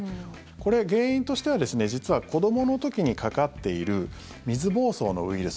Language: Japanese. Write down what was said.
これ、原因としては実は子どもの時にかかっている水疱瘡のウイルス